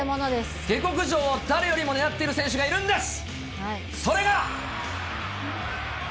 下克上を誰よりも狙っている選手がいるんです。